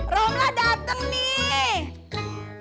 romla dateng nih